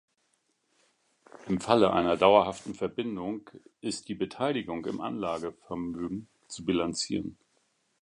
Im Falle einer „dauerhaften Verbindung“ ist die Beteiligung im Anlagevermögen zu bilanzieren.